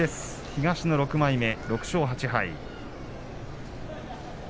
東の６枚目で６勝８敗。